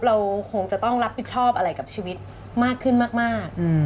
เราคงจะต้องรับผิดชอบอะไรกับชีวิตมากขึ้นมาก